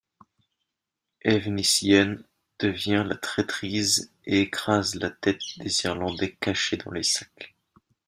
Evnissyen devine la traîtrise et écrase la tête des Irlandais cachés dans les sacs.